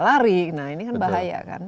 lari nah ini kan bahaya kan